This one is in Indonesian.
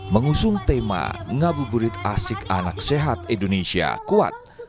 mengusung tema ngabuburit asik anak sehat indonesia kuat